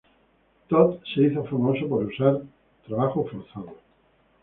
Todt se hizo famosa por usar trabajo forzado.